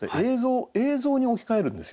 映像に置き換えるんですよ